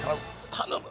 頼む！